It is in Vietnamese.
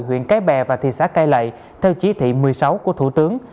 huyện cái bè và thị xã cai lậy theo chí thị một mươi sáu của thủ tướng